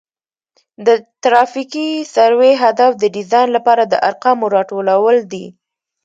د ترافیکي سروې هدف د ډیزاین لپاره د ارقامو راټولول دي